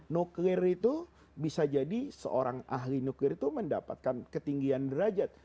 nuklir itu bisa jadi seorang ahli nuklir itu mendapatkan ketinggian derajat